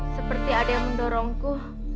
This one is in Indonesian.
seperti ada yang mendorongku